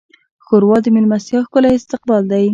ښوروا د میلمستیا ښکلی استقبال دی.